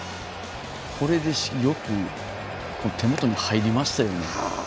これでよく手元に入りましたよね。